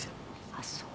あっそう。